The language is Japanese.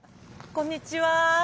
こんにちは。